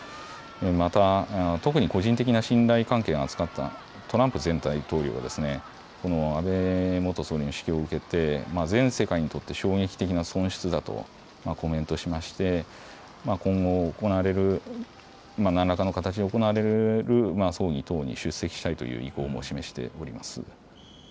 また特に個人的な信頼関係が厚かったトランプ前大統領は安倍元総理の死去を受けて全世界にとって衝撃的な損失だとコメントしまして今後、何らかの形で行われる葬儀等に出席したいという意向も示しております。